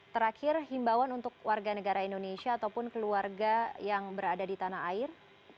terakhir himbawan untuk warga negara indonesia ataupun keluarga yang berada di tanah air